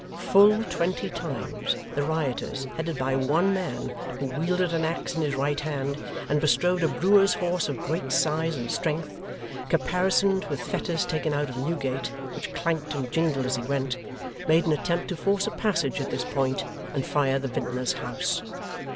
Full twenty times, the rioters, headed by one man who wielded an axe in his right hand, and bestrode a brewer's horse of great size and strength, caparisoned with fetters taken out of Newgate, which clanked and jingled as he went, made an attempt to force a passage at this point, and fire the vintner's house.